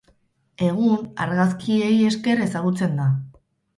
Egun argazkiei esker ezagutzen da.